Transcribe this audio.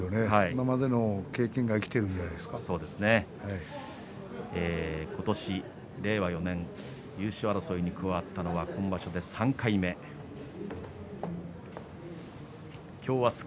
今までの経験が今年、令和４年優勝争いに加わったのは今場所３回目になります。